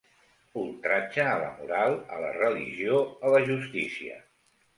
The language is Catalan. Ultratge a la moral, a la religió, a la justícia.